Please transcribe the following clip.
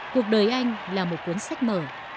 cuộc đời anh là một cuốn sách mở